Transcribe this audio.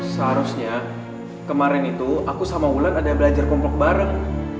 seharusnya kemarin itu aku sama wulan ada belajar komplok bareng